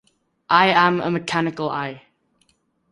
I am a mechanical eye.